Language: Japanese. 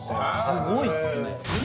すごいっすね